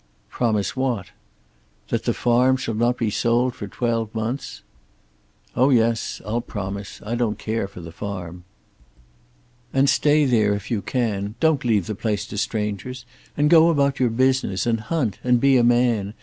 "Promise what?" "That the farm shall not be sold for twelve months." "Oh yes; I'll promise. I don't care for the farm." "And stay there if you can. Don't leave the place to strangers. And go about your business, and hunt, and be a man.